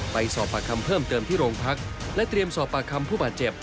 ไปสอบปากคำเพิ่มเติมที่โรงพักและเตรียมสอบปากคำผู้บาดเจ็บ